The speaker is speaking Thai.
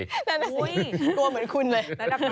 โอ้โฮตัวเหมือนคุณเลย